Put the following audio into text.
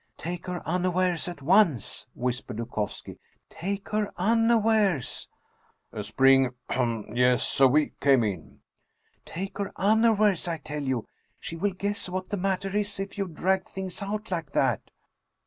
" Take her unawares at once !" whispered Dukovski ;" take her unawares !"" A spring hum yes so we came in." " Take her unawares, I tell you ! She will guess what the matter is if you drag things out like that."